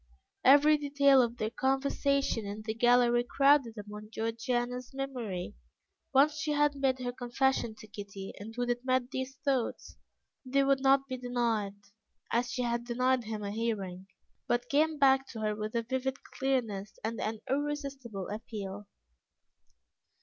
Every detail of their conversation in the gallery crowded upon Georgiana's memory, once she had made her confession to Kitty, and would admit these thoughts; they would not be denied, as she had denied him a hearing, but came back to her with a vivid clearness and an irresistible appeal.